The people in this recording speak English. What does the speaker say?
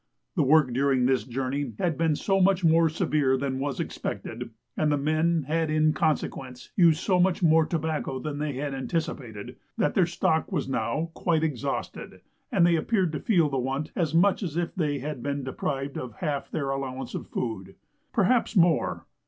The work during this journey had been so much more severe than was expected, and the men had in consequence used so much more tobacco than they had anticipated, that their stock was now quite exhausted, and they appeared to feel the want as much as if they had been deprived of half their allowance of food, perhaps more.